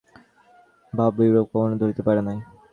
খ্রীষ্টান ধর্মের অতি গভীর ও উদার-ভাব ইউরোপ কখনও ধরিতে পারে নাই।